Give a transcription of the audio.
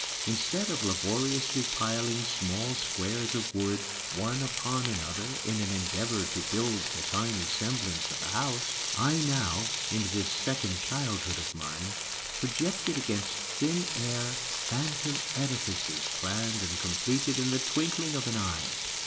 Instead of laboriously piling small squares of wood one upon another in an endeavor to build the tiny semblance of a house, I now, in this second childhood of mine, projected against thin air phantom edifices planned and completed in the twinkling of an eye.